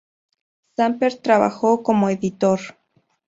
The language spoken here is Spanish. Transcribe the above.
Samper trabajó como editor.